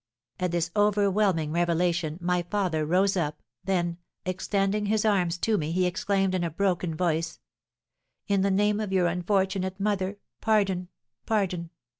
"At this overwhelming revelation my father rose up, then, extending his arms to me, he exclaimed, in a broken voice, 'In the name of your unfortunate mother, pardon, pardon!